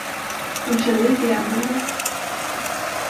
De kände inte igen honom.